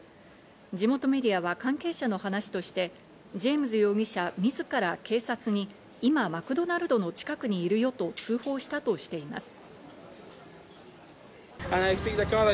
地元メディアは関係者の話としてジェームズ容疑者自ら警察に今、マクドナルドの近くにいるよと通報したとしています。